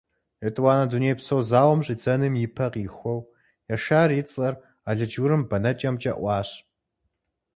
ЕтӀуанэ дунейпсо зауэм щӀидзэным и пэ къихуэу Яшар и цӀэр алыдж-урым бэнэкӀэмкӀэ Ӏуащ.